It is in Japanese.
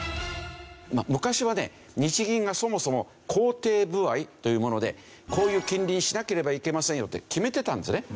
昔はね日銀がそもそも公定歩合というものでこういう金利にしなければいけませんよって決めてたんですね。